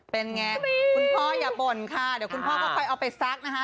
เป็นไงคุณพ่ออย่าบ่นค่ะเดี๋ยวคุณพ่อก็ค่อยเอาไปซักนะคะ